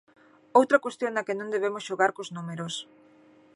Outra cuestión na que non debemos xogar cos números.